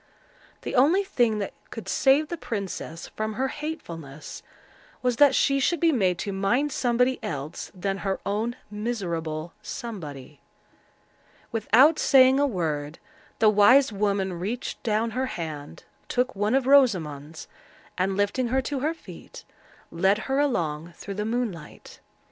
The only thing that could save the princess from her hatefulness, was that she should be made to mind somebody else than her own miserable Somebody. Without saying a word, the wise woman reached down her hand, took one of Rosamond's, and, lifting her to her feet, led her along through the moonlight.